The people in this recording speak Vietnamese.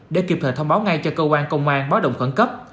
để kịp thời thông báo ngay cho cơ quan công an báo động khẩn cấp